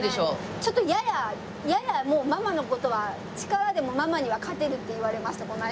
ちょっとややややもうママの事は「力でもママには勝てる」って言われましたこの間。